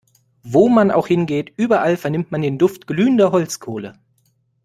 Wo man auch hingeht, überall vernimmt man den Duft glühender Holzkohle.